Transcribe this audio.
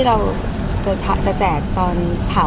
ภาษาสนิทยาลัยสุดท้าย